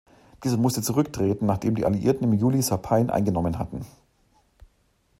Dieser musste zurücktreten, nachdem die Alliierten im Juli Saipan eingenommen hatten.